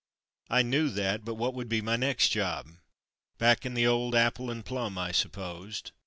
'' I knew that, but what would be my next job? Back in the old "apple and plum,'" I supposed.